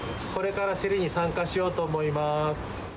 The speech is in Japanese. これから競りに参加しようと思います。